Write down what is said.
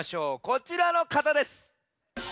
こちらのかたです。